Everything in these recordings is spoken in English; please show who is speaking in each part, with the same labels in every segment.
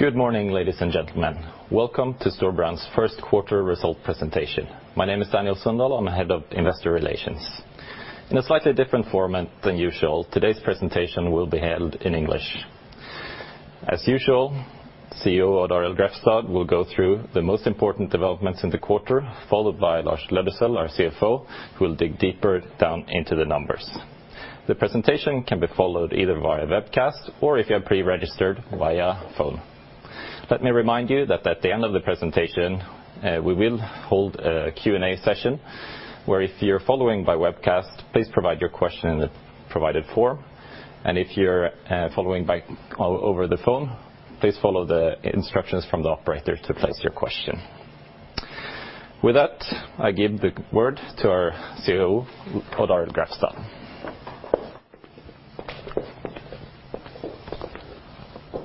Speaker 1: Good morning, ladies and gentlemen. Welcome to Storebrand's first quarter result presentation. My name is Daniel Sundahl, I'm head of investor relations. In a slightly different format than usual, today's presentation will be held in English. As usual, CEO Odd Arild Grefstad will go through the most important developments in the quarter, followed by Lars Løddesøl, our CFO, who will dig deeper down into the numbers. The presentation can be followed either via webcast or, if you are pre-registered, via phone. Let me remind you that at the end of the presentation, we will hold a Q&A session where, if you're following by webcast, please provide your question in the provided form. And if you're following over the phone, please follow the instructions from the operator to place your question. With that, I give the word to our CEO, Odd Arild Grefstad.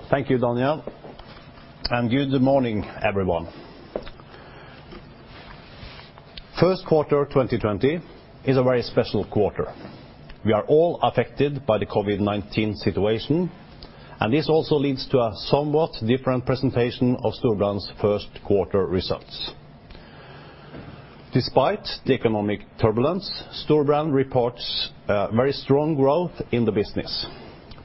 Speaker 2: Thank you, Daniel, and good morning, everyone. First quarter 2020 is a very special quarter. We are all affected by the COVID-19 situation, and this also leads to a somewhat different presentation of Storebrand's first quarter results. Despite the economic turbulence, Storebrand reports very strong growth in the business.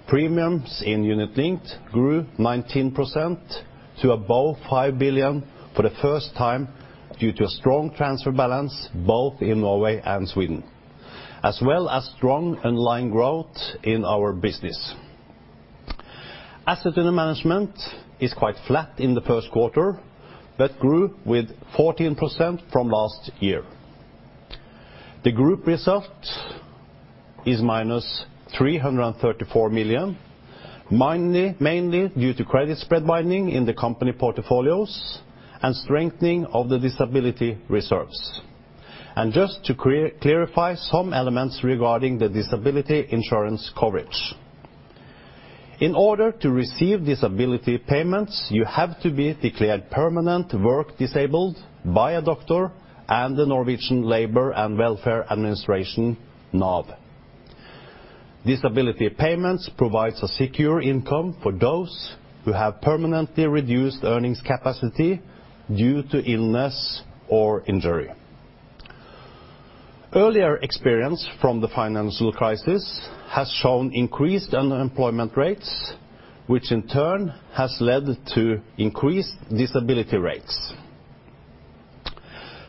Speaker 2: Premiums in unit-linked grew 19% to above 5 billion for the first time due to a strong transfer balance both in Norway and Sweden, as well as strong underlying growth in our business. Assets under management is quite flat in the first quarter, but grew with 14% from last year. The group result is minus 334 million, mainly due to credit spread widening in the company portfolios and strengthening of the disability reserves, and just to clarify some elements regarding the disability insurance coverage. In order to receive disability payments, you have to be declared permanent work disabled by a doctor and the Norwegian Labour and Welfare Administration, NAV. Disability payments provide a secure income for those who have permanently reduced earnings capacity due to illness or injury. Earlier experience from the financial crisis has shown increased unemployment rates, which in turn has led to increased disability rates.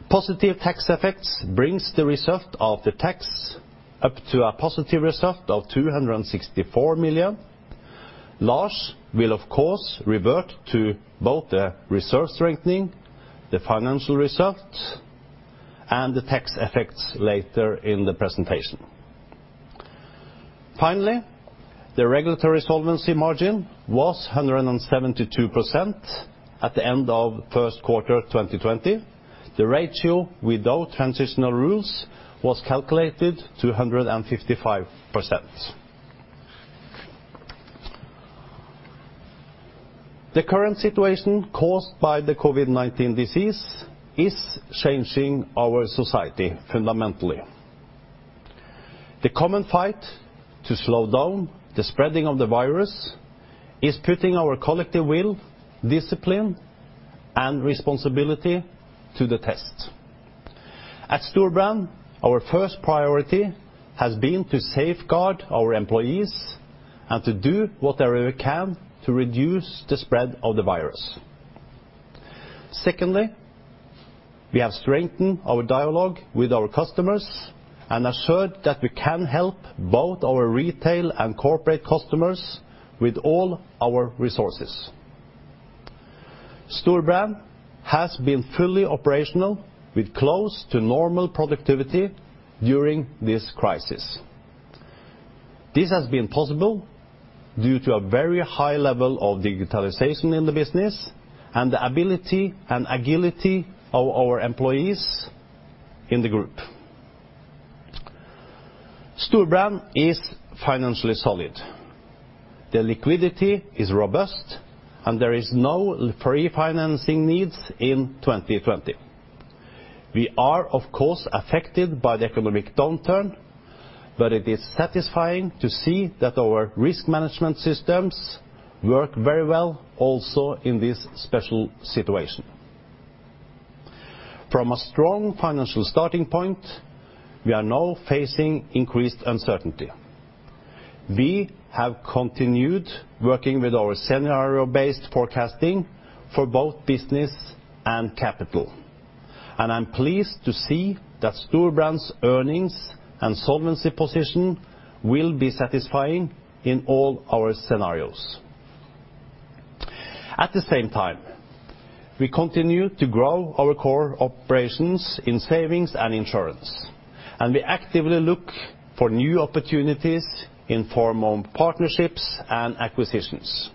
Speaker 2: Positive tax effects bring the result of the tax up to a positive result of 264 million. Lars will, of course, revert to both the reserve strengthening, the financial result, and the tax effects later in the presentation. Finally, the regulatory solvency margin was 172% at the end of first quarter 2020. The ratio without transitional rules was calculated to 155%. The current situation caused by the COVID-19 disease is changing our society fundamentally. The common fight to slow down the spreading of the virus is putting our collective will, discipline, and responsibility to the test. At Storebrand, our first priority has been to safeguard our employees and to do whatever we can to reduce the spread of the virus. Secondly, we have strengthened our dialogue with our customers and assured that we can help both our retail and corporate customers with all our resources. Storebrand has been fully operational with close to normal productivity during this crisis. This has been possible due to a very high level of digitalization in the business and the ability and agility of our employees in the group. Storebrand is financially solid. The liquidity is robust, and there are no refinancing needs in 2020. We are, of course, affected by the economic downturn, but it is satisfying to see that our risk management systems work very well also in this special situation. From a strong financial starting point, we are now facing increased uncertainty. We have continued working with our scenario-based forecasting for both business and capital, and I'm pleased to see that Storebrand's earnings and solvency position will be satisfying in all our scenarios. At the same time, we continue to grow our core operations in savings and insurance, and we actively look for new opportunities in form of partnerships and acquisitions.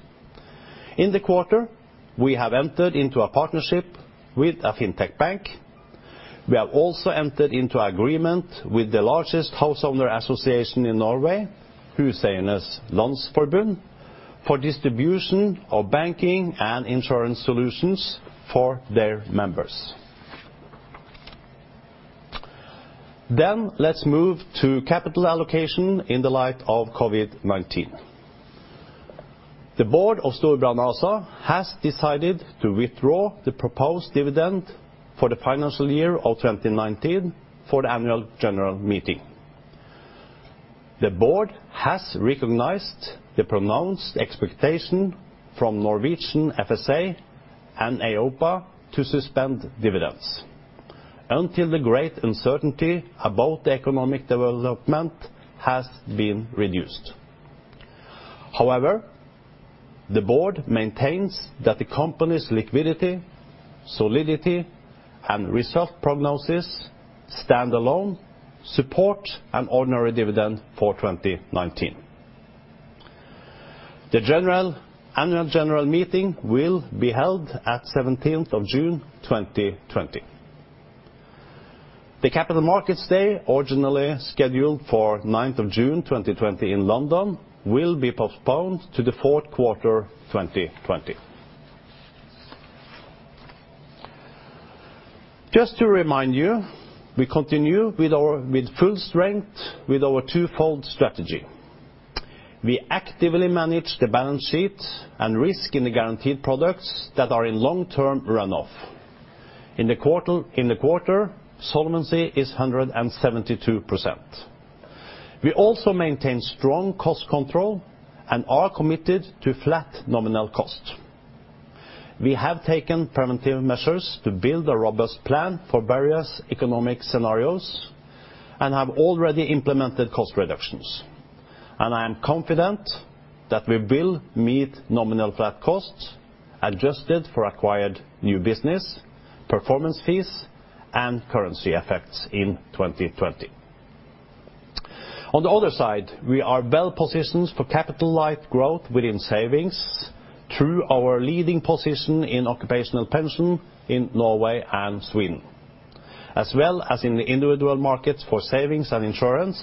Speaker 2: In the quarter, we have entered into a partnership with a fintech bank. We have also entered into an agreement with the largest householder association in Norway, Huseiernes Landsforbund, for distribution of banking and insurance solutions for their members. Then let's move to capital allocation in the light of COVID-19. The board of Storebrand ASA has decided to withdraw the proposed dividend for the financial year of 2019 for the Annual General Meeting. The board has recognized the pronounced expectation from Norwegian FSA and EIOPA to suspend dividends until the great uncertainty about the economic development has been reduced. However, the board maintains that the company's liquidity, solidity, and result prognosis stand alone, support an ordinary dividend for 2019. The Annual General Meeting will be held on the 17th of June 2020. The Capital Markets Day, originally scheduled for the 9th of June 2020 in London, will be postponed to the fourth quarter 2020. Just to remind you, we continue with full strength with our twofold strategy. We actively manage the balance sheet and risk in the guaranteed products that are in long-term runoff. In the quarter, solvency is 172%. We also maintain strong cost control and are committed to flat nominal cost. We have taken preventive measures to build a robust plan for various economic scenarios and have already implemented cost reductions, and I am confident that we will meet nominal flat costs adjusted for acquired new business, performance fees, and currency effects in 2020. On the other side, we are well positioned for capital-light growth within savings through our leading position in occupational pension in Norway and Sweden, as well as in the individual markets for savings and insurance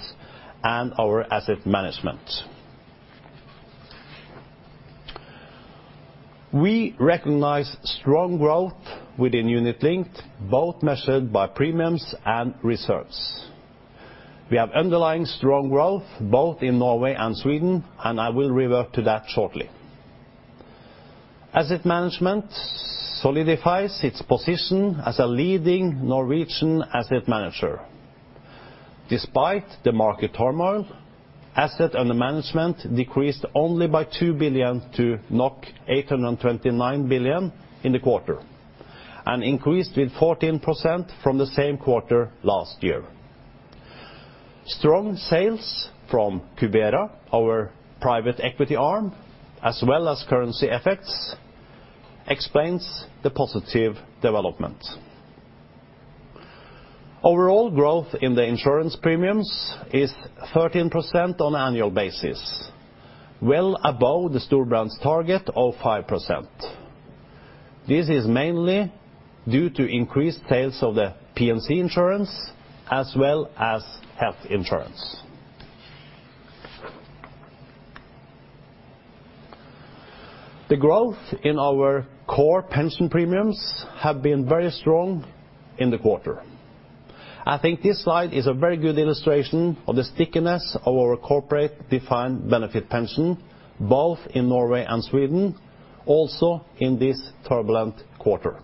Speaker 2: and our asset management. We recognize strong growth within unit-linked, both measured by premiums and reserves. We have underlying strong growth both in Norway and Sweden, and I will revert to that shortly. Asset management solidifies its position as a leading Norwegian asset manager. Despite the market turmoil, assets under management decreased only by 2 billion to 829 billion in the quarter and increased with 14% from the same quarter last year. Strong sales from Cubera, our private equity arm, as well as currency effects, explains the positive development. Overall growth in the insurance premiums is 13% on an annual basis, well above the Storebrand's target of 5%. This is mainly due to increased sales of the P&C insurance, as well as health insurance. The growth in our core pension premiums has been very strong in the quarter. I think this slide is a very good illustration of the stickiness of our corporate defined benefit pension, both in Norway and Sweden, also in this turbulent quarter.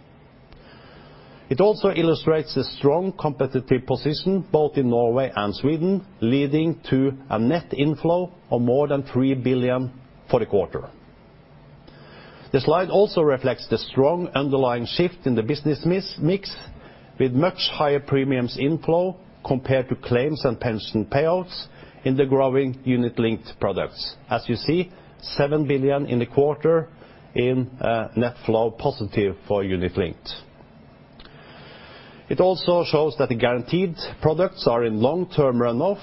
Speaker 2: It also illustrates the strong competitive position both in Norway and Sweden, leading to a net inflow of more than 3 billion for the quarter. The slide also reflects the strong underlying shift in the business mix, with much higher premiums inflow compared to claims and pension payouts in the growing unit-linked products. As you see, 7 billion in the quarter in net flow positive for unit-linked. It also shows that the guaranteed products are in long-term runoff,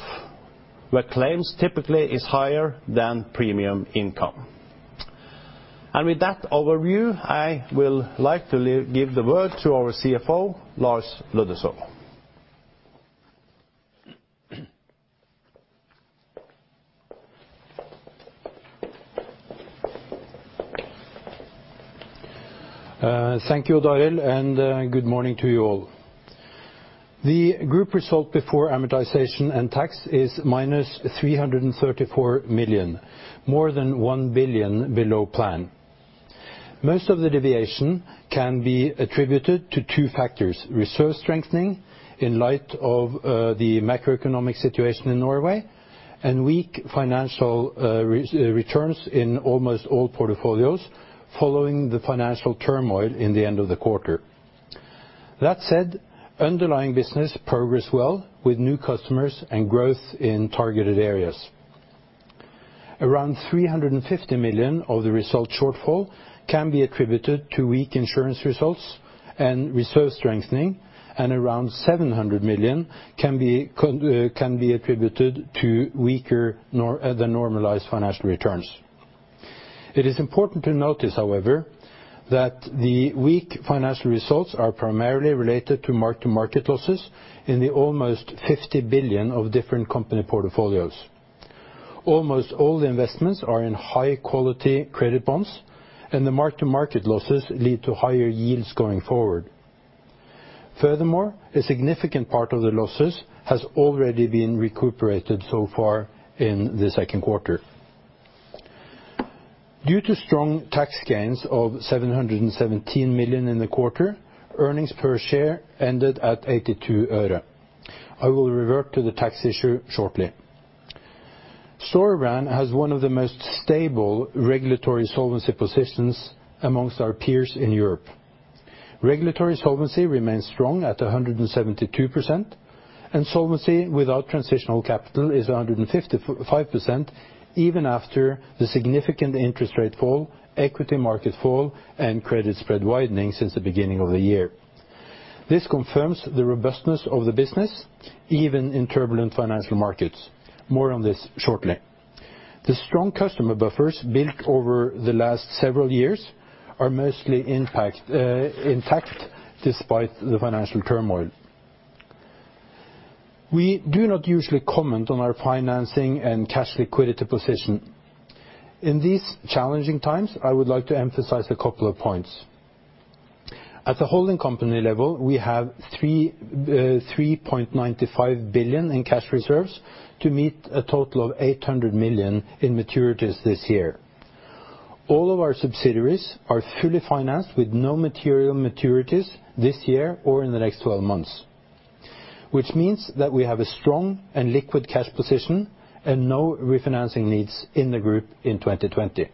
Speaker 2: where claims typically are higher than premium income, and with that overview, I would like to give the word to our CFO, Lars Løddesøl.
Speaker 3: Thank you, Odd Arild, and good morning to you all. The group result before amortization and tax is -334 million, more than one billion below plan. Most of the deviation can be attributed to two factors: reserve strengthening in light of the macroeconomic situation in Norway, and weak financial returns in almost all portfolios following the financial turmoil in the end of the quarter. That said, underlying business progressed well with new customers and growth in targeted areas. Around 350 million of the result shortfall can be attributed to weak insurance results and reserve strengthening, and around 700 million can be attributed to weaker than normalized financial returns. It is important to notice, however, that the weak financial results are primarily related to mark-to-market losses in the almost 50 billion of different company portfolios. Almost all the investments are in high-quality credit bonds, and the mark-to-market losses lead to higher yields going forward. Furthermore, a significant part of the losses has already been recuperated so far in the second quarter. Due to strong tax gains of 717 million in the quarter, earnings per share ended at NOK 0.82. I will revert to the tax issue shortly. Storebrand has one of the most stable regulatory solvency positions among our peers in Europe. Regulatory solvency remains strong at 172%, and solvency without transitional capital is 155%, even after the significant interest rate fall, equity market fall, and credit spread widening since the beginning of the year. This confirms the robustness of the business, even in turbulent financial markets. More on this shortly. The strong customer buffers built over the last several years are mostly intact despite the financial turmoil. We do not usually comment on our financing and cash liquidity position. In these challenging times, I would like to emphasize a couple of points. At the holding company level, we have 3.95 billion in cash reserves to meet a total of 800 million in maturities this year. All of our subsidiaries are fully financed with no material maturities this year or in the next 12 months, which means that we have a strong and liquid cash position and no refinancing needs in the group in 2020.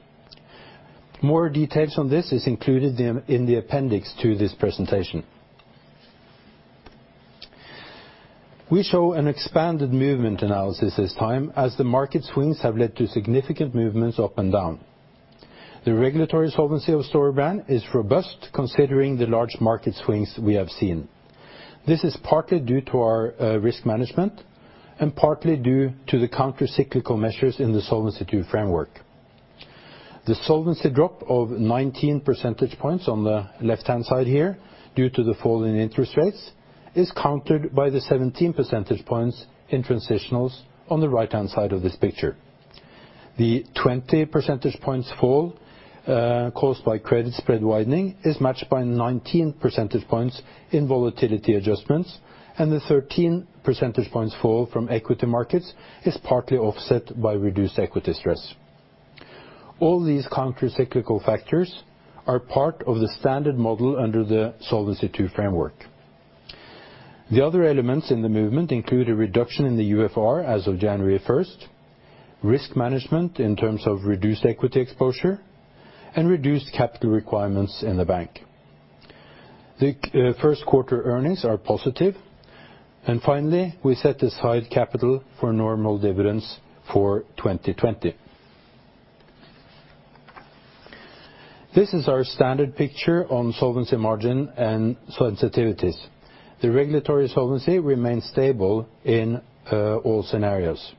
Speaker 3: More details on this are included in the appendix to this presentation. We show an expanded movement analysis this time, as the market swings have led to significant movements up and down. The regulatory solvency of Storebrand is robust, considering the large market swings we have seen. This is partly due to our risk management and partly due to the countercyclical measures in the Solvency II framework. The solvency drop of 19 percentage points on the left-hand side here, due to the fall in interest rates, is countered by the 17 percentage points in transitionals on the right-hand side of this picture. The 20 percentage points fall caused by credit spread widening is matched by 19 percentage points in volatility adjustments, and the 13 percentage points fall from equity markets is partly offset by reduced equity stress. All these countercyclical factors are part of the standard model under the Solvency II framework. The other elements in the movement include a reduction in the UFR as of January 1st, risk management in terms of reduced equity exposure, and reduced capital requirements in the bank. The first quarter earnings are positive, and finally, we set aside capital for normal dividends for 2020. This is our standard picture on solvency margin and sensitivities. The regulatory solvency remains stable in all scenarios.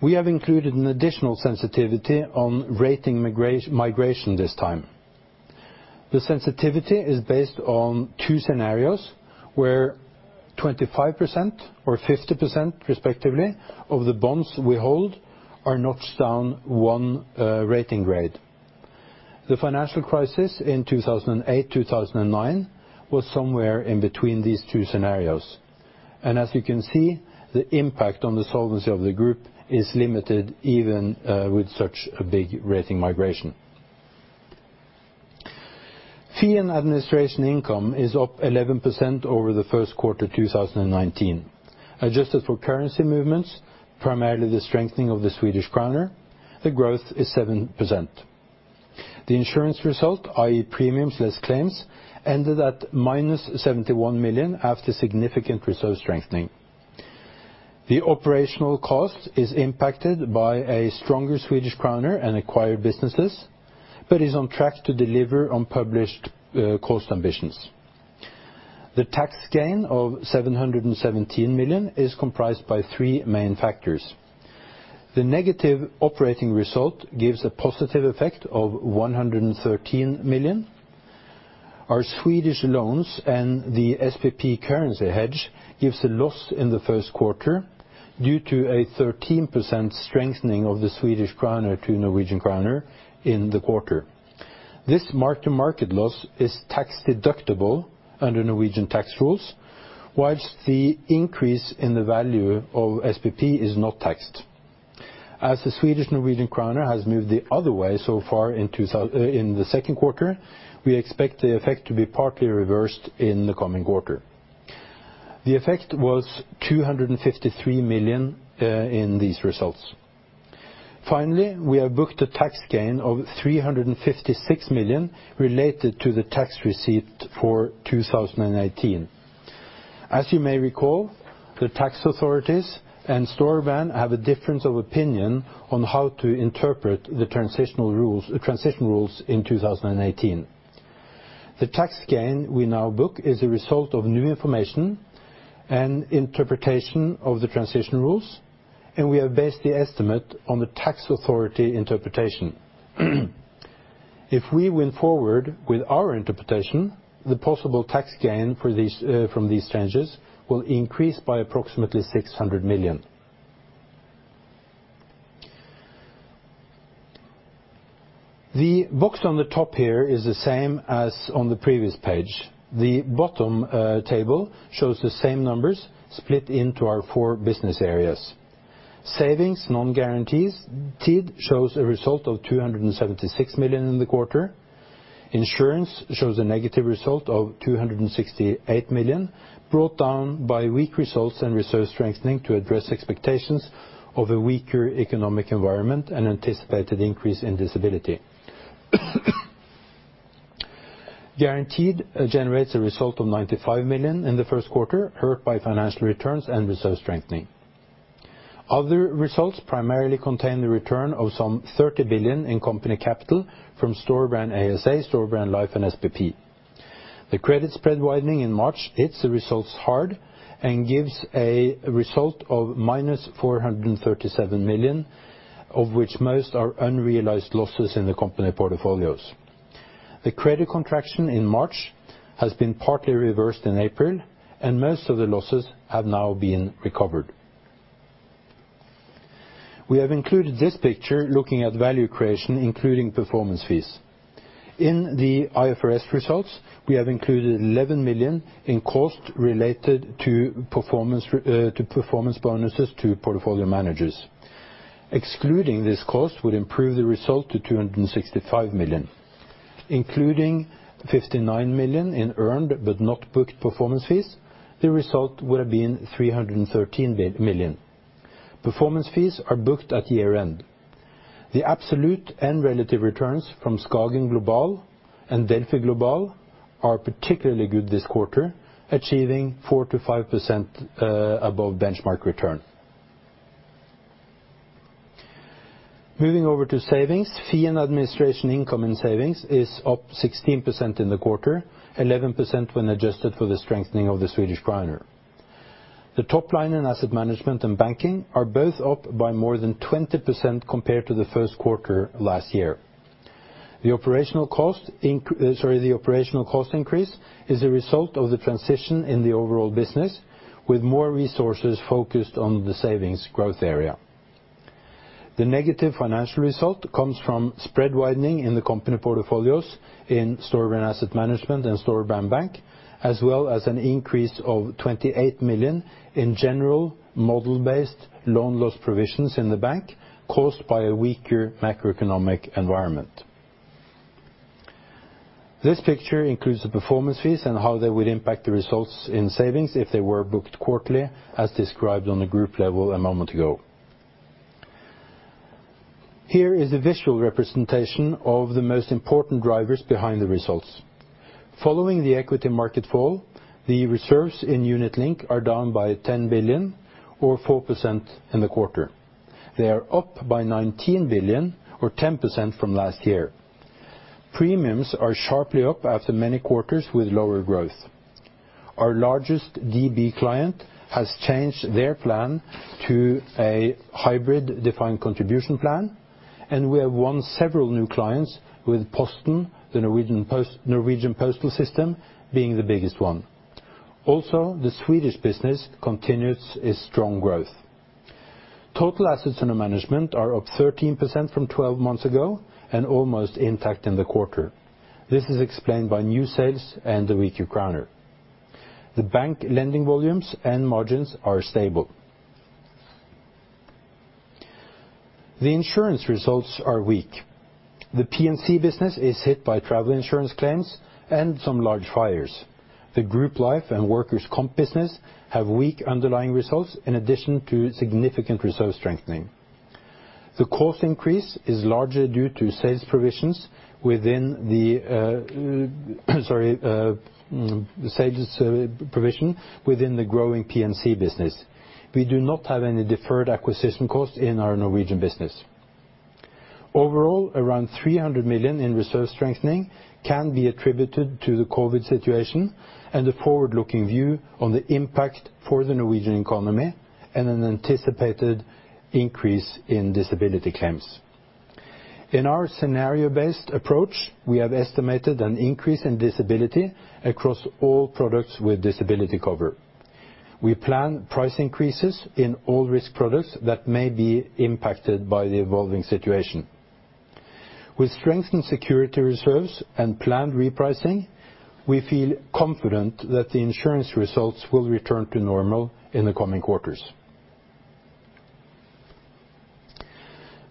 Speaker 3: We have included an additional sensitivity on rating migration this time. The sensitivity is based on two scenarios where 25% or 50%, respectively, of the bonds we hold are notched down one rating grade. The financial crisis in 2008-2009 was somewhere in between these two scenarios, and as you can see, the impact on the solvency of the group is limited even with such a big rating migration. Fee and administration income is up 11% over the first quarter 2019. Adjusted for currency movements, primarily the strengthening of the Swedish krona, the growth is 7%. The insurance result, i.e., premiums less claims, ended at -71 million after significant reserve strengthening. The operational cost is impacted by a stronger Swedish krona and acquired businesses, but is on track to deliver on published cost ambitions. The tax gain of 717 million is comprised by three main factors. The negative operating result gives a positive effect of 113 million. Our Swedish loans and the SPP currency hedge give a loss in the first quarter due to a 13% strengthening of the Swedish krona to Norwegian kroner in the quarter. This mark-to-market loss is tax-deductible under Norwegian tax rules, whilst the increase in the value of SPP is not taxed. As the Swedish-Norwegian kroner has moved the other way so far in the second quarter, we expect the effect to be partly reversed in the coming quarter. The effect was 253 million in these results. Finally, we have booked a tax gain of 356 million related to the tax receipt for 2018. As you may recall, the tax authorities and Storebrand have a difference of opinion on how to interpret the transitional rules in 2018. The tax gain we now book is a result of new information and interpretation of the transitional rules, and we have based the estimate on the tax authority interpretation. If we went forward with our interpretation, the possible tax gain from these changes will increase by approximately 600 million. The box on the top here is the same as on the previous page. The bottom table shows the same numbers split into our four business areas. Savings non-guaranteed shows a result of 276 million in the quarter. Insurance shows a negative result of 268 million, brought down by weak results and reserve strengthening to address expectations of a weaker economic environment and anticipated increase in disability. Guaranteed generates a result of 95 million in the first quarter, hurt by financial returns and reserve strengthening. Other results primarily contain the return of some 30 billion in company capital from Storebrand ASA, Storebrand Life Insurance, and SPP. The credit spread widening in March hits the results hard and gives a result of minus 437 million, of which most are unrealized losses in the company portfolios. The credit contraction in March has been partly reversed in April, and most of the losses have now been recovered. We have included this picture looking at value creation, including performance fees. In the IFRS results, we have included 11 million in cost related to performance bonuses to portfolio managers. Excluding this cost would improve the result to 265 million. Including 59 million in earned but not booked performance fees, the result would have been 313 million. Performance fees are booked at year-end. The absolute and relative returns from Skagen Global and Delphi Global are particularly good this quarter, achieving 4%-5% above benchmark return. Moving over to savings, fee and administration income in savings is up 16% in the quarter, 11% when adjusted for the strengthening of the Swedish krona. The top line in asset management and banking are both up by more than 20% compared to the first quarter last year. The operational cost increase is a result of the transition in the overall business, with more resources focused on the savings growth area. The negative financial result comes from spread widening in the company portfolios in Storebrand Asset Management and Storebrand Bank, as well as an increase of 28 million in general model-based loan loss provisions in the bank caused by a weaker macroeconomic environment. This picture includes the performance fees and how they would impact the results in savings if they were booked quarterly, as described on the group level a moment ago. Here is a visual representation of the most important drivers behind the results. Following the equity market fall, the reserves in unit-linked are down by 10 billion, or 4% in the quarter. They are up by 19 billion, or 10% from last year. Premiums are sharply up after many quarters with lower growth. Our largest DB client has changed their plan to a hybrid defined Contribution plan, and we have won several new clients, with Posten, the Norwegian postal system, being the biggest one. Also, the Swedish business continues its strong growth. Total assets under management are up 13% from 12 months ago and almost intact in the quarter. This is explained by new sales and the weaker kroner. The bank lending volumes and margins are stable. The insurance results are weak. The P&C business is hit by travel insurance claims and some large fires. The group life and workers' comp business have weak underlying results in addition to significant reserve strengthening. The cost increase is larger due to sales provisions within the provision within the growing P&C business. We do not have any deferred acquisition costs in our Norwegian business. Overall, around 300 million in reserve strengthening can be attributed to the COVID situation and the forward-looking view on the impact for the Norwegian economy and an anticipated increase in disability claims. In our scenario-based approach, we have estimated an increase in disability across all products with disability cover. We plan price increases in all risk products that may be impacted by the evolving situation. With strengthened security reserves and planned repricing, we feel confident that the insurance results will return to normal in the coming quarters.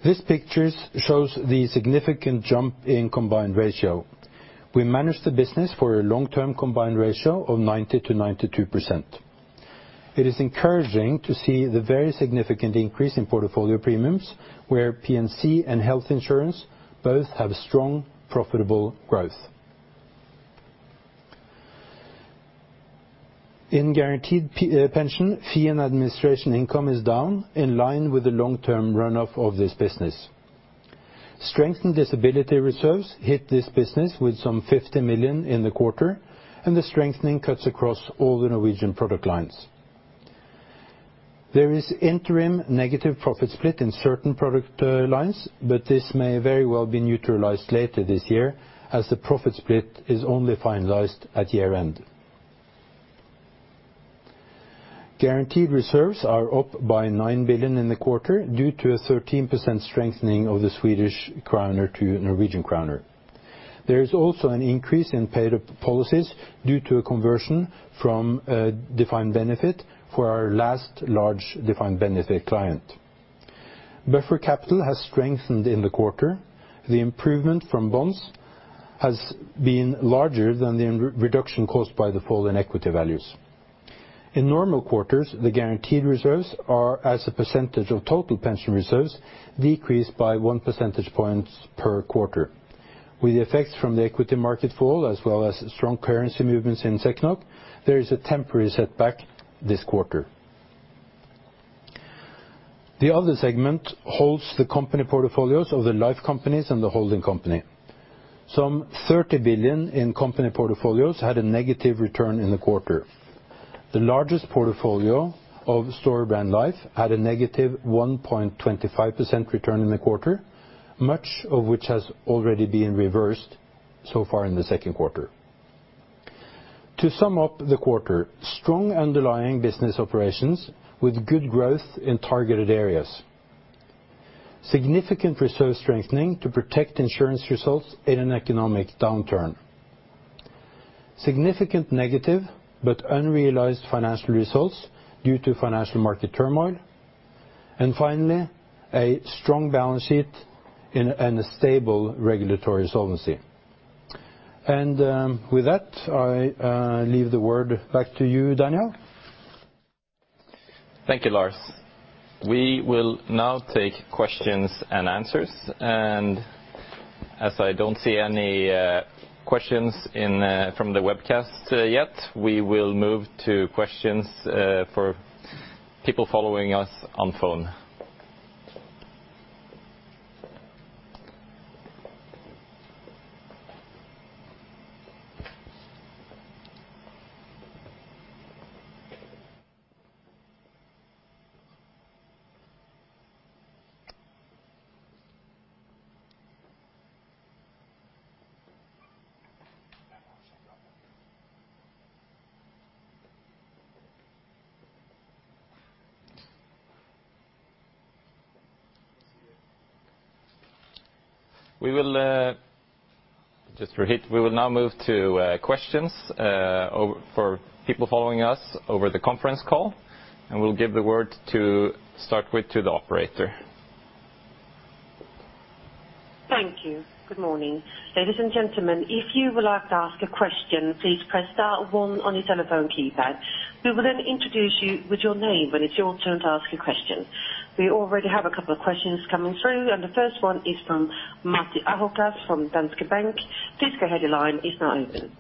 Speaker 3: This picture shows the significant jump in combined ratio. We manage the business for a long-term combined ratio of 90%-92%. It is encouraging to see the very significant increase in portfolio premiums, where P&C and health insurance both have strong, profitable growth. In guaranteed pension, fee and administration income is down, in line with the long-term runoff of this business. Strengthened disability reserves hit this business with some 50 million in the quarter, and the strengthening cuts across all the Norwegian product lines. There is interim negative profit split in certain product lines, but this may very well be neutralized later this year, as the profit split is only finalized at year-end. Guaranteed reserves are up by 9 billion in the quarter due to a 13% strengthening of the Swedish krona to Norwegian kroner. There is also an increase in paid-up policies due to a conversion from defined benefit for our last large defined benefit client. Buffer capital has strengthened in the quarter. The improvement from bonds has been larger than the reduction caused by the fall in equity values. In normal quarters, the guaranteed reserves are, as a percentage of total pension reserves, decreased by 1 percentage point per quarter. With the effects from the equity market fall, as well as strong currency movements in SEK/NOK, there is a temporary setback this quarter. The other segment holds the company portfolios of the life companies and the holding company. Some 30 billion in company portfolios had a negative return in the quarter. The largest portfolio of Storebrand Life had a negative 1.25% return in the quarter, much of which has already been reversed so far in the second quarter. To sum up the quarter, strong underlying business operations with good growth in targeted areas. Significant reserve strengthening to protect insurance results in an economic downturn. Significant negative but unrealized financial results due to financial market turmoil, and finally, a strong balance sheet and a stable regulatory solvency. And with that, I leave the word back to you, Daniel.
Speaker 1: Thank you, Lars. We will now take questions and answers. And as I don't see any questions from the webcast yet, we will move to questions for people following us on phone. We will just repeat. We will now move to questions for people following us over the conference call, and we'll give the word to start with to the operator. Thank you.
Speaker 4: Good morning. Ladies and gentlemen, if you would like to ask a question, please press star one on your telephone keypad. We will then introduce you with your name, and it's your turn to ask a question. We already have a couple of questions coming through, and the first one is from Matti Ahokas from Danske Bank. Please go ahead. Your line is now open.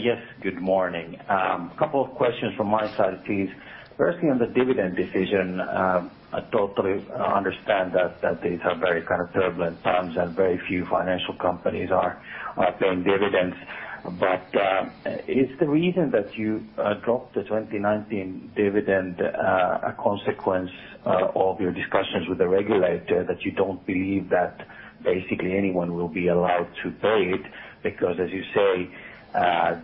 Speaker 5: Yes. Good morning. A couple of questions from my side, please. Firstly, on the dividend decision, I totally understand that these are very kind of turbulent times and very few financial companies are paying dividends. But is the reason that you dropped the 2019 dividend a consequence of your discussions with the regulator that you don't believe that basically anyone will be allowed to pay it? Because, as you say,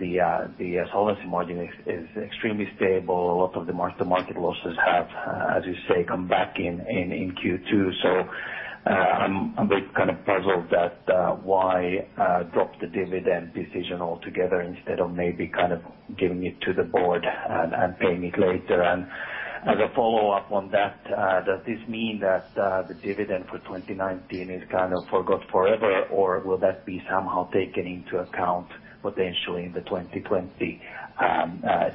Speaker 5: the solvency margin is extremely stable? A lot of the mark-to-market losses have, as you say, come back in Q2, so I'm a bit kind of puzzled at why drop the dividend decision altogether instead of maybe kind of giving it to the board and paying it later, and as a follow-up on that, does this mean that the dividend for 2019 is kind of forgot forever, or will that be somehow taken into account potentially in the 2020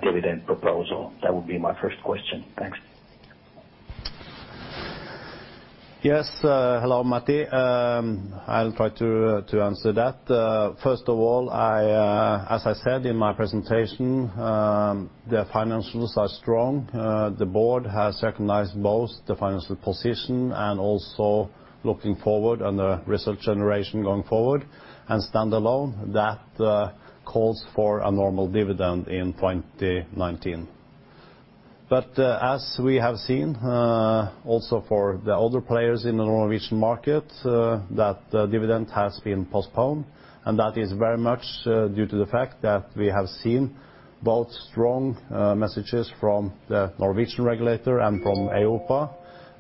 Speaker 5: dividend proposal? That would be my first question. Thanks.
Speaker 2: Yes. Hello, Matti. I'll try to answer that. First of all, as I said in my presentation, the financials are strong. The board has recognized both the financial position and also looking forward and the results generation going forward and standalone. That calls for a normal dividend in 2019. But as we have seen also for the other players in the Norwegian market, that dividend has been postponed, and that is very much due to the fact that we have seen both strong messages from the Norwegian regulator and from EIOPA,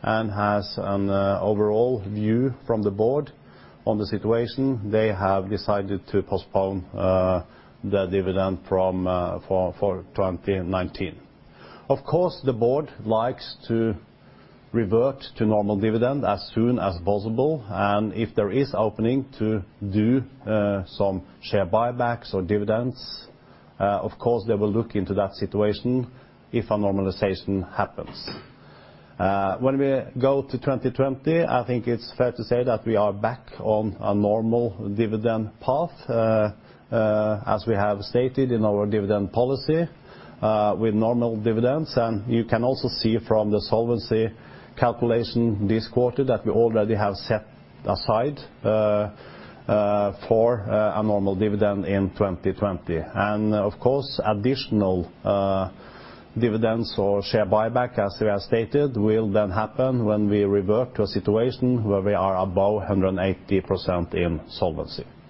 Speaker 2: and has an overall view from the board on the situation. They have decided to postpone the dividend for 2019. Of course, the board likes to revert to normal dividend as soon as possible. And if there is opening to do some share buybacks or dividends, of course, they will look into that situation if a normalization happens. When we go to 2020, I think it is fair to say that we are back on a normal dividend path, as we have stated in our dividend policy with normal dividends. You can also see from the solvency calculation this quarter that we already have set aside for a normal dividend in 2020. Of course, additional dividends or share buyback, as we have stated, will then happen when we revert to a situation where we are above 180% in solvency. Great.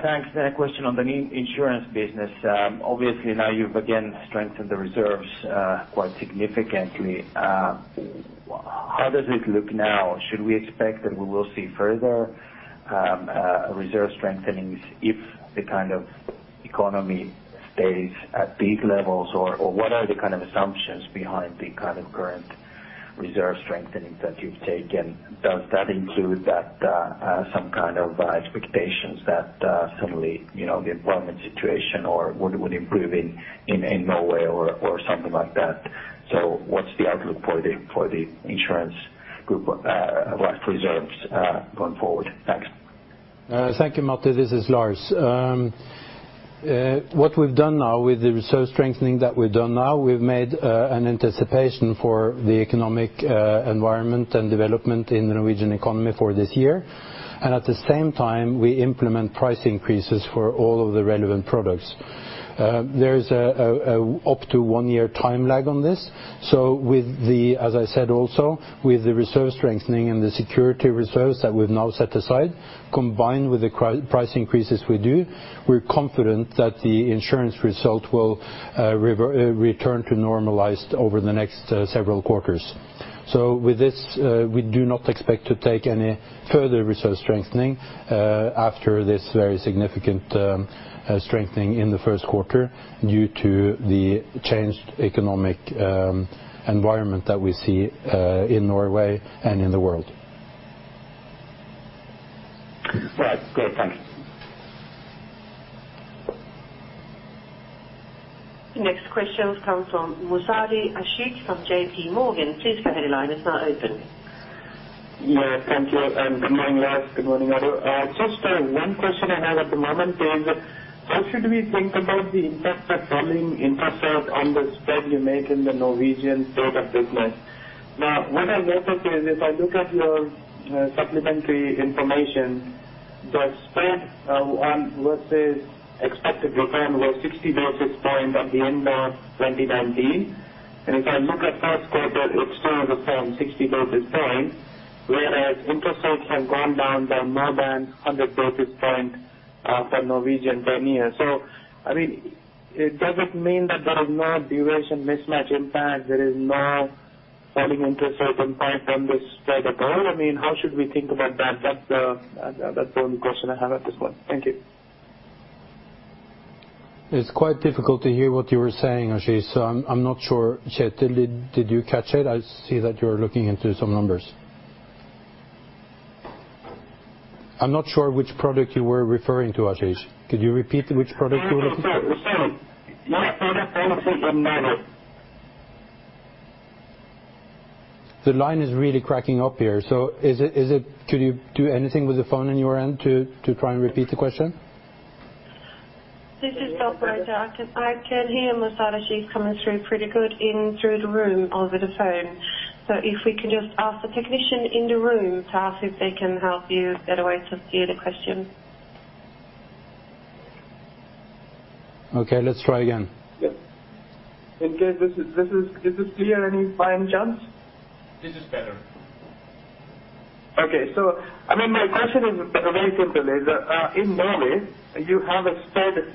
Speaker 2: Thanks. A question on the insurance business. Obviously, now you've again strengthened the reserves quite significantly. How does it look now? Should we expect that we will see further reserve strengthenings if the kind of economy stays at these levels, or what are the kind of assumptions behind the kind of current reserve strengthening that you've taken? Does that include that some kind of expectations that suddenly the employment situation would improve in no way or something like that? What's the outlook for the insurance group reserves going forward? Thanks.
Speaker 3: Thank you, Matti. This is Lars. What we've done now with the reserve strengthening that we've done now, we've made an anticipation for the economic environment and development in the Norwegian economy for this year. And at the same time, we implement price increases for all of the relevant products. There is an up to one-year time lag on this. So with the, as I said, also with the reserve strengthening and the security reserves that we've now set aside, combined with the price increases we do, we're confident that the insurance result will return to normalized over the next several quarters. So with this, we do not expect to take any further reserve strengthening after this very significant strengthening in the first quarter due to the changed economic environment that we see in Norway and in the world.
Speaker 5: Right. Good. Thank you.
Speaker 4: Next question comes from Ashik Musaddi from J.P. Morgan. Please go ahead, the line. It's now open.
Speaker 6: Yeah. Thank you and good morning, Lars. Good morning, Odd Arild. Just one question I have at the moment is, how should we think about the impact of selling infrastructure on the spread you make in the Norwegian statutory business? Now, what I noticed is if I look at your supplementary information, the spread versus expected return was 60 basis points at the end of 2019. And if I look at first quarter, it still has a 60 basis point, whereas interest rates have gone down by more than 100 basis points for Norwegian ten-year. So I mean, does it mean that there is no duration mismatch impact? There is no falling interest rate impact on the spread at all? I mean, how should we think about that? That's the only question I have at this point. Thank you.
Speaker 3: It's quite difficult to hear what you were saying, Ashik Musaddi. So I'm not sure. Did you catch it? I see that you're looking into some numbers. I'm not sure which product you were referring to, Ashik Musaddi. Could you repeat which product you were referring to? Which product policy in Norway? The line is really cracking up here. So could you do anything with the phone on your end to try and repeat the question?
Speaker 4: This is the operator. I can hear Ashik Musaddi coming through pretty good in the room over the phone. So if we could just ask the technician in the room to ask if they can help you get a way to hear the question.
Speaker 3: Okay. Let's try again.
Speaker 6: Yes. Okay. Is this clearer by any chance?
Speaker 3: This is better.
Speaker 6: Okay. So I mean, my question is very simple. In Norway, you have a spread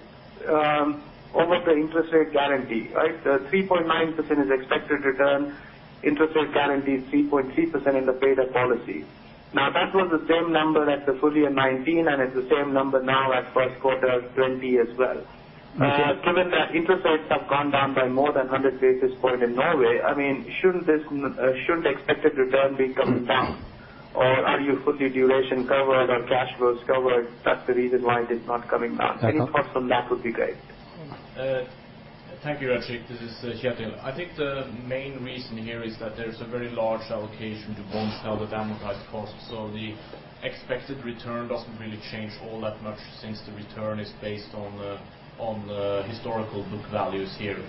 Speaker 6: over the interest rate guarantee, right? 3.9% is expected return. Interest rate guarantee 3.3% in the paid-up policy. Now, that was the same number at the full year 2019, and it's the same number now at first quarter 2020 as well. Given that interest rates have gone down by more than 100 basis points in Norway, I mean, shouldn't expected return be coming down? Or are you fully duration covered or cash flows covered? That's the reason why it is not coming down. Any thoughts on that would be great.
Speaker 1: Thank you, Ashik. This is Daniel. I think the main reason here is that there's a very large allocation to bonds now to download costs. So the expected return doesn't really change all that much since the return is based on historical book values here.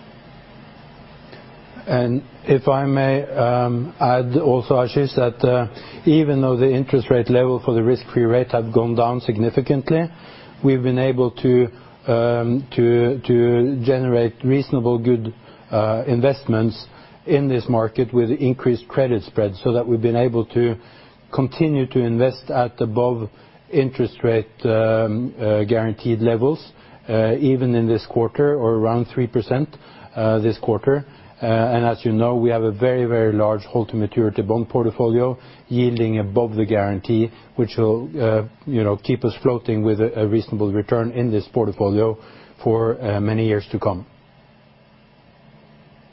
Speaker 3: And if I may add also, Ashik, that even though the interest rate level for the risk-free rate have gone down significantly, we've been able to generate reasonable good investments in this market with increased credit spreads so that we've been able to continue to invest at above interest rate guaranteed levels even in this quarter or around 3% this quarter. And as you know, we have a very, very large hold-to-maturity bond portfolio yielding above the guarantee, which will keep us floating with a reasonable return in this portfolio for many years to come.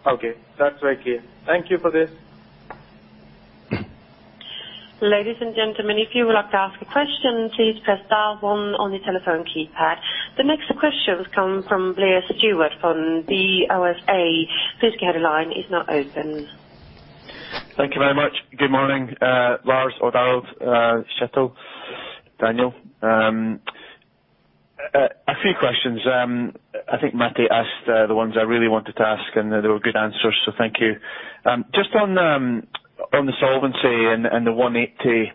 Speaker 6: Okay. That's very clear. Thank you for this.
Speaker 4: Ladies and gentlemen, if you would like to ask a question, please press star one on the telephone keypad. The next questions come from Blair Stewart from BofA. Please go ahead. The line is now open.
Speaker 7: Thank you very much. Good morning, Lars Løddesøl, Daniel. A few questions. I think Matti asked the ones I really wanted to ask, and there were good answers, so thank you. Just on the solvency and the 180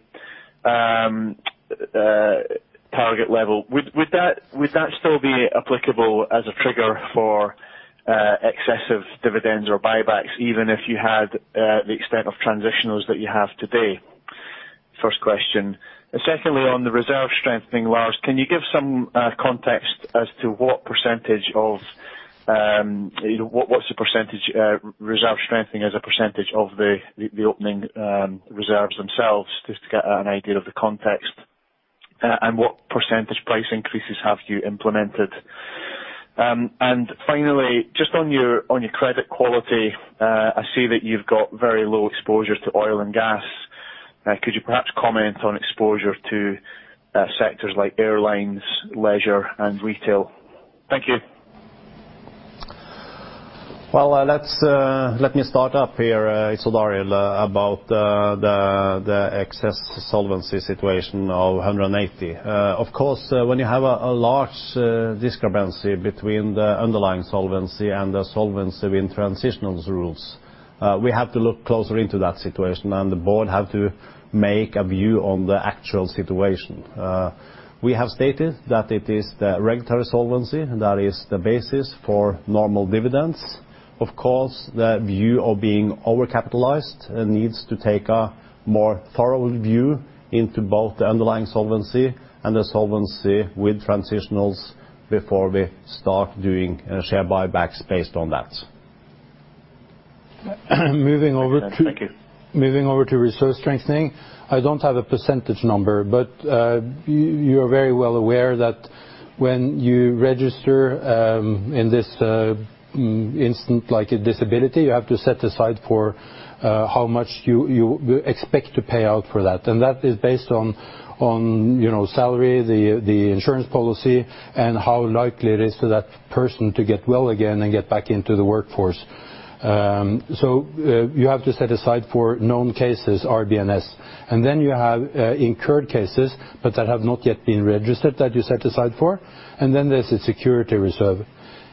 Speaker 7: target level, would that still be applicable as a trigger for excessive dividends or buybacks even if you had the extent of transitionals that you have today? First question. And secondly, on the reserve strengthening, Lars, can you give some context as to what percentage of what's the percentage reserve strengthening as a percentage of the opening reserves themselves just to get an idea of the context? And what percentage price increases have you implemented? And finally, just on your credit quality, I see that you've got very low exposure to oil and gas. Could you perhaps comment on exposure to sectors like airlines, leisure, and retail? Thank you.
Speaker 3: Let me start off here, Odd Arild, about the excess solvency situation of 180. Of course, when you have a large discrepancy between the underlying solvency and the solvency with transitional rules, we have to look closer into that situation, and the board have to take a view on the actual situation. We have stated that it is the regulatory solvency that is the basis for normal dividends. Of course, the view of being over-capitalized needs to take a more thorough view into both the underlying solvency and the solvency with transitional before we start doing share buybacks based on that. Moving over to reserve strengthening, I don't have a percentage number, but you are very well aware that when you register in this instance like a disability, you have to set aside for how much you expect to pay out for that. And that is based on salary, the insurance policy, and how likely it is for that person to get well again and get back into the workforce. So you have to set aside for known cases, RBNS. And then you have incurred cases, but that have not yet been registered that you set aside for. And then there's a security reserve.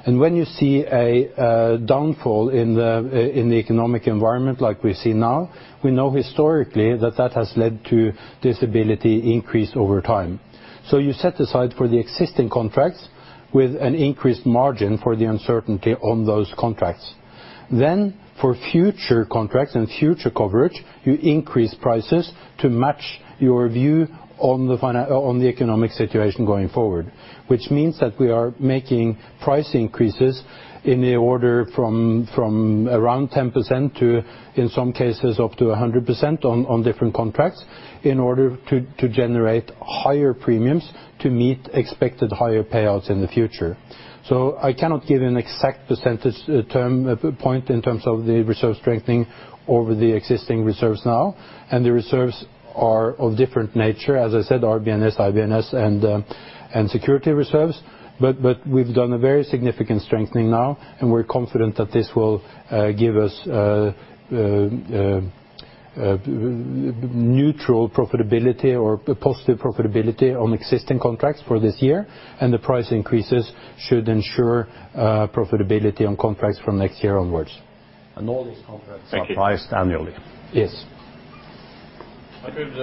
Speaker 3: And when you see a downfall in the economic environment like we see now, we know historically that that has led to disability increase over time. So you set aside for the existing contracts with an increased margin for the uncertainty on those contracts. Then for future contracts and future coverage, you increase prices to match your view on the economic situation going forward, which means that we are making price increases in the order from around 10% to, in some cases, up to 100% on different contracts in order to generate higher premiums to meet expected higher payouts in the future. So I cannot give you an exact percentage point in terms of the reserve strengthening over the existing reserves now. And the reserves are of different nature, as I said, RBNS, IBNR, and security reserves. But we've done a very significant strengthening now, and we're confident that this will give us neutral profitability or positive profitability on existing contracts for this year. And the price increases should ensure profitability on contracts from next year onwards.
Speaker 7: And all these contracts are priced annually.
Speaker 3: Yes. I could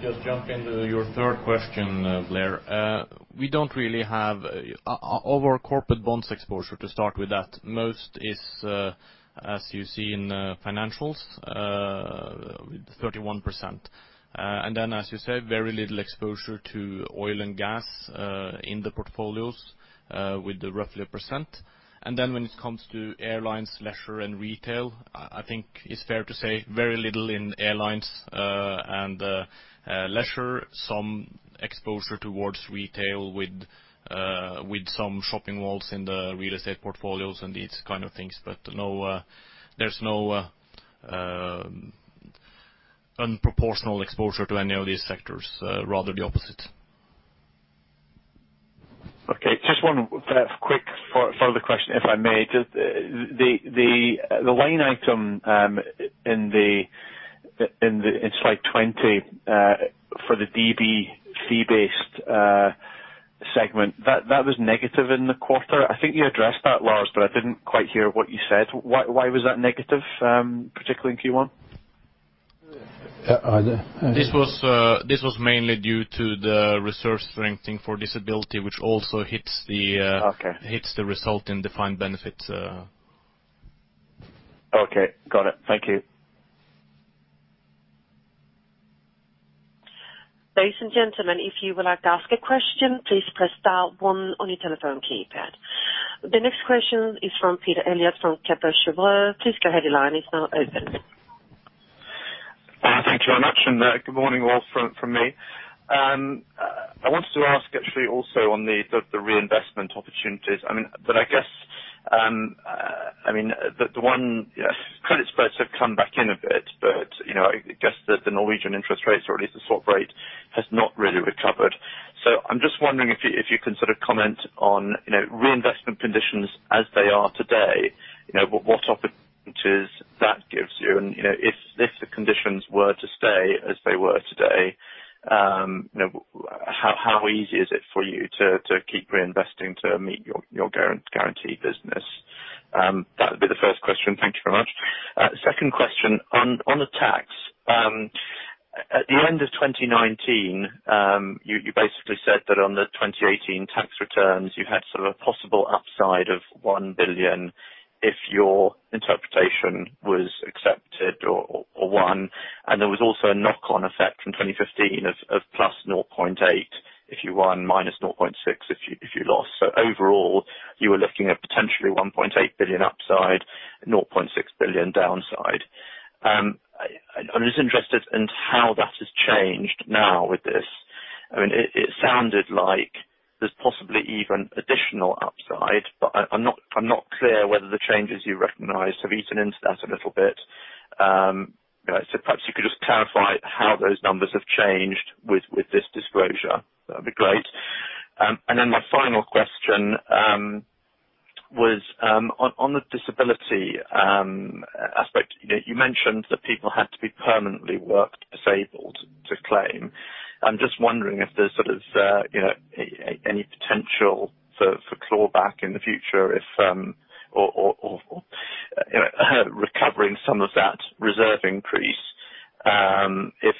Speaker 3: just jump into your third question, Blair. We don't really have over corporate bonds exposure to start with that. Most is, as you see in financials, 31%. And then, as you say, very little exposure to oil and gas in the portfolios with roughly 1%. And then when it comes to airlines, leisure, and retail, I think it's fair to say very little in airlines and leisure, some exposure towards retail with some shopping malls in the real estate portfolios and these kind of things. But there's no unproportional exposure to any of these sectors. Rather the opposite.
Speaker 7: Okay. Just one quick further question, if I may. The line item in slide 20 for the DB/C-based segment, that was negative in the quarter. I think you addressed that, Lars, but I didn't quite hear what you said. Why was that negative, particularly in Q1?
Speaker 3: This was mainly due to the reserve strengthening for disability, which also hits the result in defined benefits.
Speaker 7: Okay. Got it. Thank you.
Speaker 4: Ladies and gentlemen, if you would like to ask a question, please press star one on your telephone keypad. The next question is from Peter Eliot from Kepler Cheuvreux. Please go ahead, the line. It's now open.
Speaker 8: Thank you very much. And good morning, all from me. I wanted to ask actually also on the reinvestment opportunities. I mean, but I guess, I mean, the credit spreads have come back in a bit, but I guess that the Norwegian interest rates, or at least the swap rate, has not really recovered. So I'm just wondering if you can sort of comment on reinvestment conditions as they are today, what opportunities that gives you. And if the conditions were to stay as they were today, how easy is it for you to keep reinvesting to meet your guaranteed business? That would be the first question. Thank you very much. Second question on the tax. At the end of 2019, you basically said that on the 2018 tax returns, you had sort of a possible upside of 1 billion if your interpretation was accepted or won. And there was also a knock-on effect from 2015 of plus 0.8 billion if you won, minus 0.6 billion if you lost. So overall, you were looking at potentially 1.8 billion upside, 0.6 billion downside. I'm just interested in how that has changed now with this. I mean, it sounded like there's possibly even additional upside, but I'm not clear whether the changes you recognize have eaten into that a little bit. So perhaps you could just clarify how those numbers have changed with this disclosure. That would be great. And then my final question was on the disability aspect. You mentioned that people had to be permanently work disabled to claim. I'm just wondering if there's sort of any potential for clawback in the future or recovering some of that reserve increase if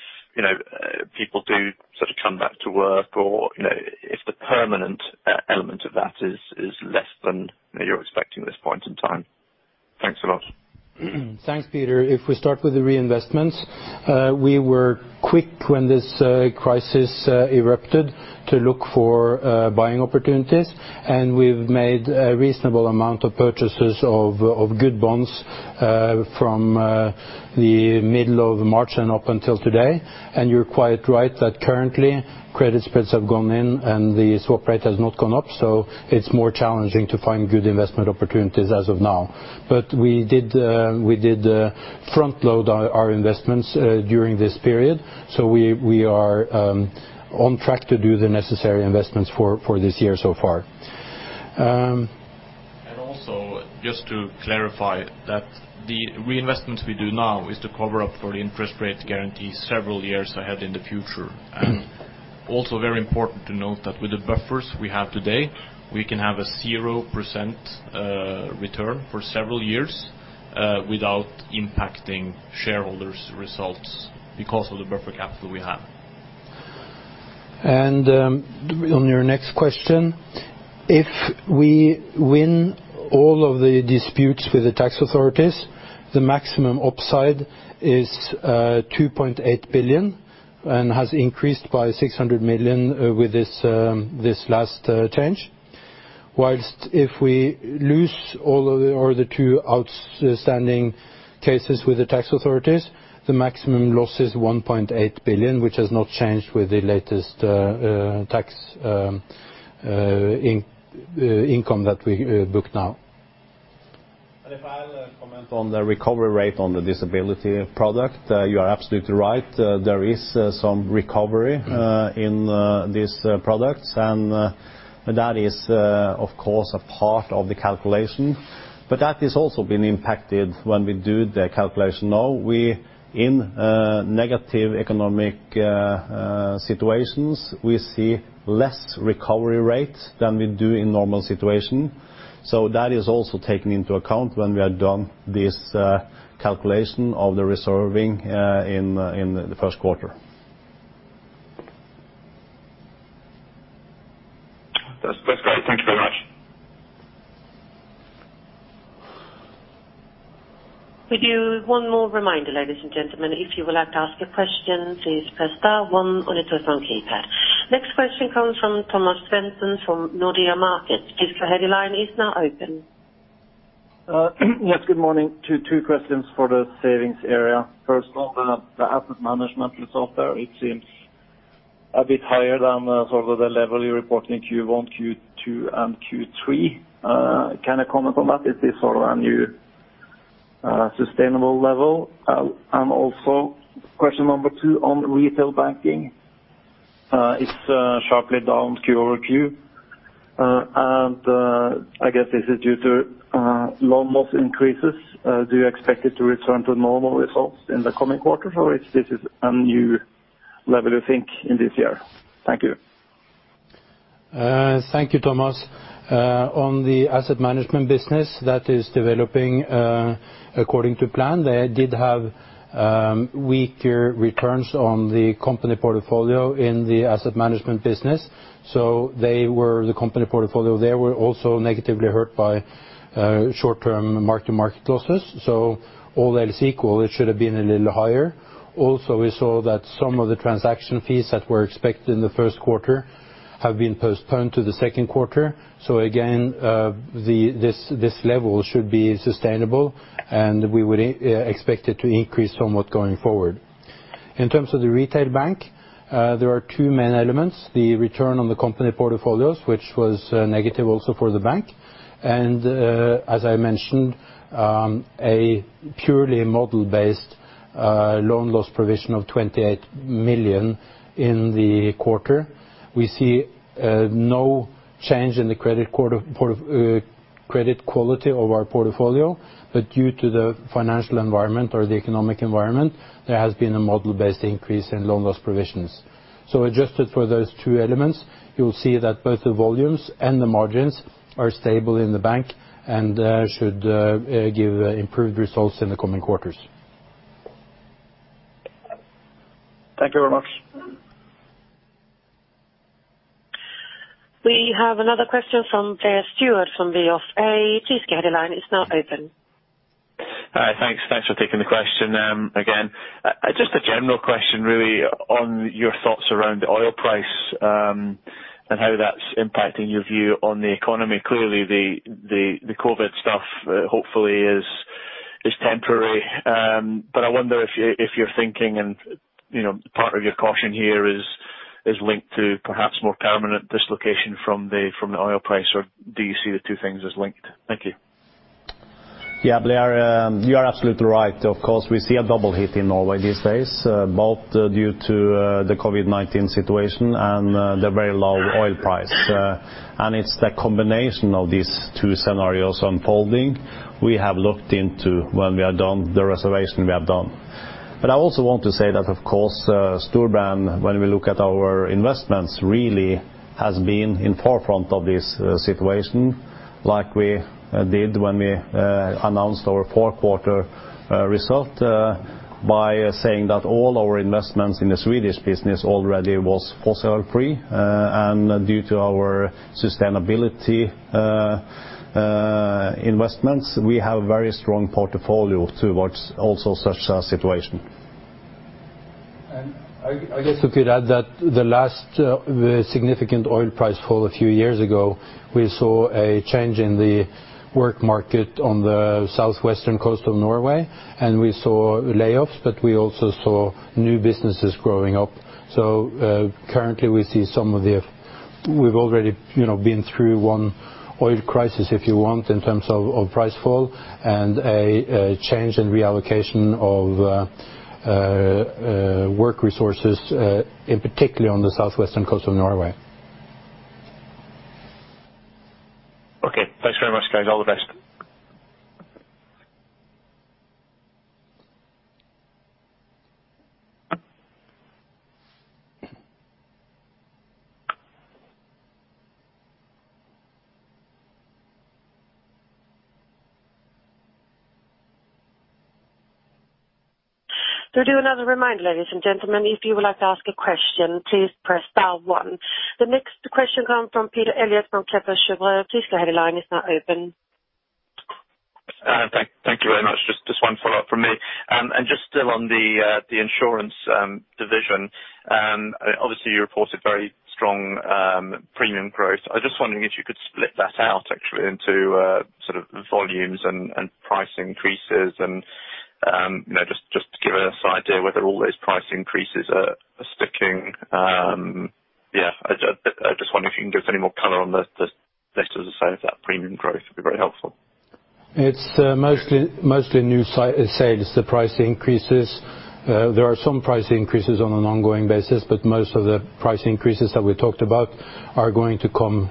Speaker 8: people do sort of come back to work or if the permanent element of that is less than you're expecting at this point in time. Thanks a lot.
Speaker 1: Thanks, Peter. If we start with the reinvestments, we were quick when this crisis erupted to look for buying opportunities. And we've made a reasonable amount of purchases of good bonds from the middle of March and up until today. You're quite right that currently, credit spreads have gone in and the swap rate has not gone up, so it's more challenging to find good investment opportunities as of now. But we did front-load our investments during this period, so we are on track to do the necessary investments for this year so far. And also, just to clarify that the reinvestments we do now is to cover up for the interest rate guarantee several years ahead in the future. And also very important to note that with the buffers we have today, we can have a 0% return for several years without impacting shareholders' results because of the buffer capital we have. And on your next question, if we win all of the disputes with the tax authorities, the maximum upside is 2.8 billion and has increased by 600 million with this last change. While if we lose all of the other two outstanding cases with the tax authorities, the maximum loss is 1.8 billion, which has not changed with the latest tax income that we booked now, and if I'll comment on the recovery rate on the disability product, you are absolutely right. There is some recovery in these products, and that is, of course, a part of the calculation, but that has also been impacted when we do the calculation now. In negative economic situations, we see less recovery rate than we do in normal situation, so that is also taken into account when we are done this calculation of the reserving in the first quarter.
Speaker 8: That's great. Thank you very much.
Speaker 4: We do one more reminder, ladies and gentlemen. If you would like to ask a question, please press star one on your telephone keypad. Next question comes from Thomas Svendsen from Nordea Markets. Please go ahead, the line. It's now open.
Speaker 9: Yes. Good morning. Two questions for the savings area. First, on the asset management side, it seems a bit higher than sort of the level you report in Q1, Q2, and Q3. Can you comment on that? Is this sort of a new sustainable level? And also, question number two on retail banking. It's sharply down Q over Q. And I guess this is due to loan loss increases. Do you expect it to return to normal results in the coming quarters, or is this a new level, you think, in this year? Thank you.
Speaker 1: Thank you, Thomas. On the asset management business that is developing according to plan, they did have weaker returns on the company portfolio in the asset management business. So they were the company portfolio there were also negatively hurt by short-term mark-to-market losses, so all else equal, it should have been a little higher. Also, we saw that some of the transaction fees that were expected in the first quarter have been postponed to the second quarter, so again, this level should be sustainable, and we would expect it to increase somewhat going forward. In terms of the retail bank, there are two main elements: the return on the company portfolios, which was negative also for the bank, and as I mentioned, a purely model-based loan loss provision of 28 million in the quarter. We see no change in the credit quality of our portfolio, but due to the financial environment or the economic environment, there has been a model-based increase in loan loss provisions. So adjusted for those two elements, you'll see that both the volumes and the margins are stable in the bank and should give improved results in the coming quarters.
Speaker 9: Thank you very much.
Speaker 4: We have another question from Blair Stewart from BofA. Please go ahead, line. It's now open.
Speaker 7: Hi. Thanks for taking the question again. Just a general question, really, on your thoughts around the oil price and how that's impacting your view on the economy. Clearly, the COVID stuff hopefully is temporary. But I wonder if you're thinking and part of your caution here is linked to perhaps more permanent dislocation from the oil price, or do you see the two things as linked? Thank you.
Speaker 3: Yeah, Blair, you are absolutely right. Of course, we see a double hit in Norway these days, both due to the COVID-19 situation and the very low oil price. It's the combination of these two scenarios unfolding we have looked into when we are done the reserving we have done. But I also want to say that, of course, Storebrand, when we look at our investments, really has been in forefront of this situation like we did when we announced our fourth-quarter result by saying that all our investments in the Swedish business already was fossil-free. And due to our sustainability investments, we have a very strong portfolio towards also such a situation. And I guess we could add that the last significant oil price fall a few years ago, we saw a change in the labor market on the southwestern coast of Norway, and we saw layoffs, but we also saw new businesses growing up. So currently, we see some of the, we've already been through one oil crisis, if you want, in terms of price fall and a change in reallocation of work resources, particularly on the southwestern coast of Norway.
Speaker 7: Okay. Thanks very much, guys. All the best.
Speaker 4: We'll do another reminder, ladies and gentlemen. If you would like to ask a question, please press star one. The next question comes from Peter Eliot from Kepler Cheuvreux. Please go ahead, the line. It's now open.
Speaker 8: Thank you very much. Just one follow-up from me, and just still on the insurance division, obviously, you reported very strong premium growth. I was just wondering if you could split that out, actually, into sort of volumes and price increases and just to give us an idea whether all those price increases are sticking. Yeah. I just wonder if you can give us any more color on the, let's just say, of that premium growth. It'd be very helpful.
Speaker 3: It's mostly new sales, the price increases. There are some price increases on an ongoing basis, but most of the price increases that we talked about are going to come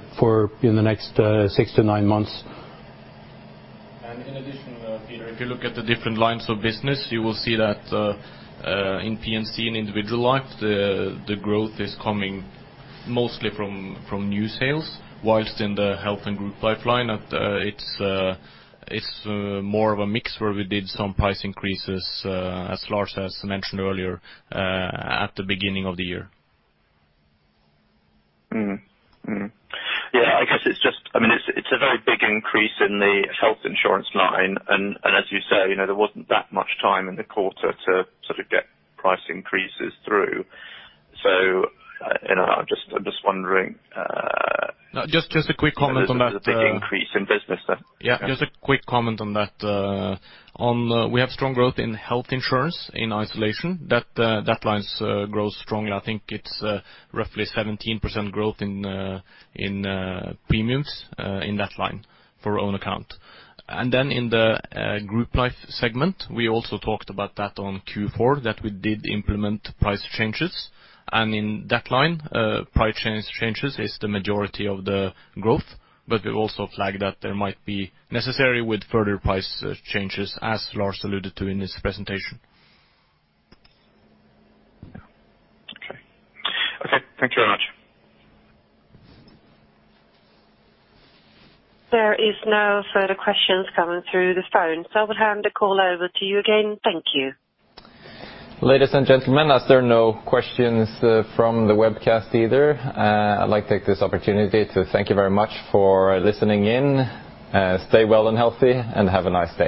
Speaker 3: in the next six to nine months, and in addition, Peter, if you look at the different lines of business, you will see that in P&C and individual life, the growth is coming mostly from new sales, whilst in the health and group pipeline, it's more of a mix where we did some price increases, as Lars has mentioned earlier, at the beginning of the year.
Speaker 8: Yeah. I guess it's just, I mean, it's a very big increase in the health insurance line. As you say, there wasn't that much time in the quarter to sort of get price increases through. So I'm just wondering.
Speaker 1: Just a quick comment on that. There's a big increase in business there. Yeah. Just a quick comment on that. We have strong growth in health insurance in isolation. That line grows strongly. I think it's roughly 17% growth in premiums in that line for own account. And then in the group life segment, we also talked about that on Q4, that we did implement price changes. And in that line, price changes is the majority of the growth, but we've also flagged that there might be necessary with further price changes, as Lars alluded to in his presentation.
Speaker 8: Okay. Okay. Thank you very much.
Speaker 4: There are no further questions coming through the phone. So I would hand the call over to you again. Thank you.
Speaker 2: Ladies and gentlemen, as there are no questions from the webcast either, I'd like to take this opportunity to thank you very much for listening in. Stay well and healthy, and have a nice day.